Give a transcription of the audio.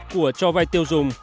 của cho vay tiêu dùng